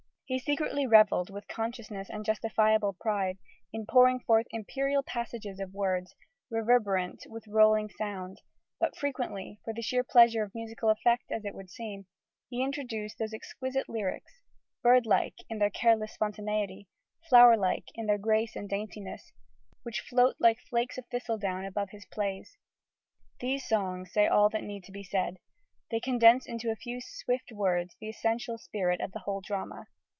He secretly revelled, with conscious and justifiable pride, in pouring forth imperial passages of words, reverberant with rolling sound; but frequently, for the sheer pleasure of musical effect, as it would seem, he introduced those exquisite lyrics, bird like in their careless spontaneity, flower like in their grace and daintiness, which float like flakes of thistledown above his plays. These songs say all that need be said: they condense into a few swift words the essential spirit of a whole drama.